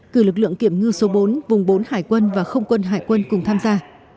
cử lực lượng kiểm ngư số bốn vùng bốn hải quân và không quân hải quân cùng tham gia